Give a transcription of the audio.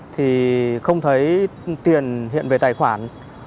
thì không thấy tiền hiện về tài khoản